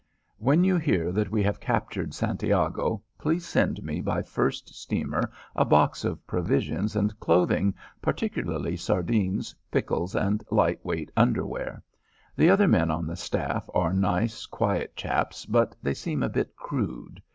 "When you hear that we have captured Santiago, please send me by first steamer a box of provisions and clothing, particularly sardines, pickles, and light weight underwear. The other men on the staff are nice quiet chaps, but they seem a bit crude.